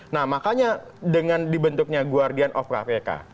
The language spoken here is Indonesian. nah makanya dengan dibentuknya guardian of kpk